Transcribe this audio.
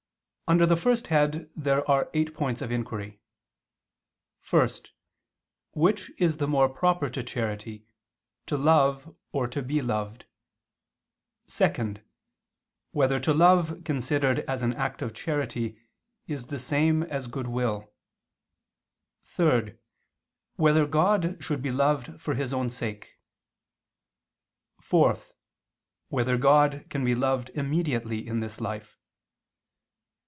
Under the first head there are eight points of inquiry: (1) Which is the more proper to charity, to love or to be loved? (2) Whether to love considered as an act of charity is the same as goodwill? (3) Whether God should be loved for His own sake? (4) Whether God can be loved immediately in this life?